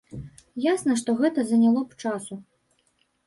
Ясна, што гэта заняло б часу.